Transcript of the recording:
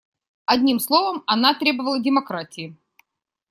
Одним словом, она требовала демократии.